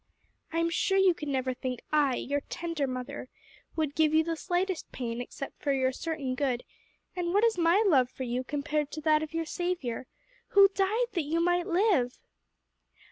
I am sure you could never think I your tender mother would give you the slightest pain except for your certain good; and what is my love for you compared to that of your Saviour? who died that you might live!"